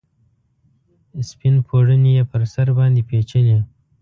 سپین پوړنې یې پر سر باندې پیچلي